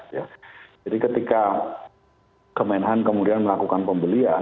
jadi ketika kemenhan kemudian melakukan pembelian